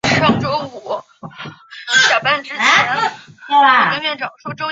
主要从浙界往粤界排列。